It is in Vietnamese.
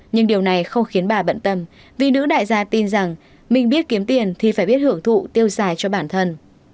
nhưng điều này không khiến bà bận tâm vì nữ đại gia tin rằng mình biết kiếm tiền thì phải biết hưởng thụ tiêu dài cho bản thân